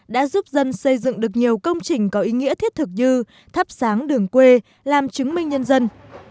đã giúp dân xây dựng được nhiều công trình có ý nghĩa thiết thực như thắp sáng đường quê làm chứng minh nhân dân